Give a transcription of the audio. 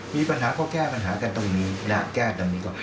มีปัญหาก็แก้ปัญหากันตรงนี้นะแก้ตรงนี้ก่อน